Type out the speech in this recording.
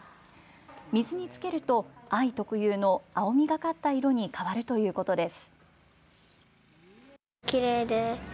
水につけると藍特有の青みがかった色に変わるということです。